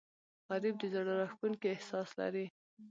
غریب د زړه راښکونکی احساس لري